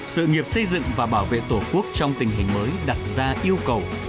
sự nghiệp xây dựng và bảo vệ tổ quốc trong tình hình mới đặt ra yêu cầu